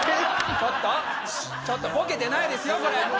ちょっとボケてないですよ